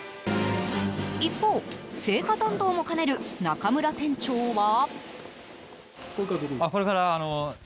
一方、青果担当も兼ねる中村店長は。